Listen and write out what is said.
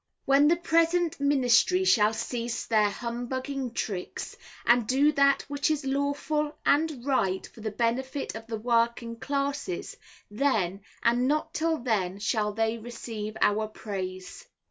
When the present ministry shall cease their humbuging tricks, and do that which is lawful and right for the benefit of the working classes, then, and not till then, shall they receive our praise.